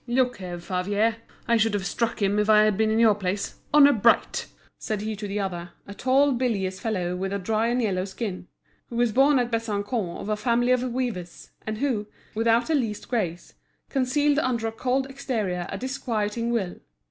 "Look here, Favier, I should have struck him if I had been in your place, honour bright!" said he to the other, a tall bilious fellow with a dry and yellow skin, who was born at Besançon of a family of weavers, and who, without the least grace, concealed under a cold exterior a disquieting will.